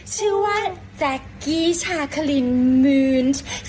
ชื่อว่าแจ๊กกี้ชาคลินมืน